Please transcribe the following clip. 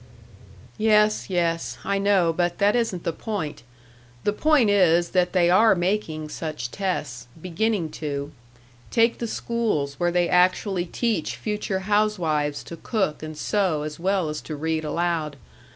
"Yes, yes, I know, but that isn't the point. The point is that they are making such tests beginning to. Take the schools where they actually teach future housewives to cook and sew as well as to read aloud.